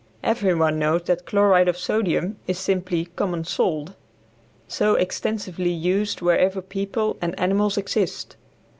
Every one knows that chloride of sodium is simply common salt, so extensively used wherever people and animals exist.